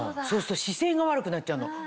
そうすると姿勢が悪くなっちゃうの。